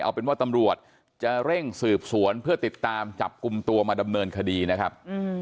เอาเป็นว่าตำรวจจะเร่งสืบสวนเพื่อติดตามจับกลุ่มตัวมาดำเนินคดีนะครับ